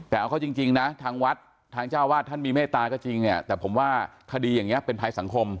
แต่เอาเข้าจริงนะทางวัดทางเจ้าวาดท่านมีเมตตาก็จริงเนี่ยแต่ผมว่าคดีอย่างนี้เป็นภัยสังคม